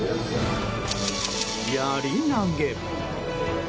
やり投げ。